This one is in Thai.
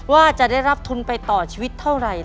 ว่าจะได้รับทุนไปต่อชีวิตเท่าไหร่